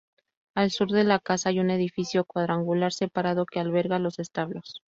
Al sur de la casa hay un edificio cuadrangular separado que alberga los establos.